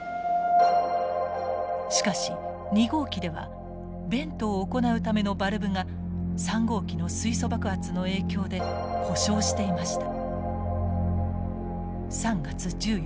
しかし２号機ではベントを行うためのバルブが３号機の水素爆発の影響で故障していました。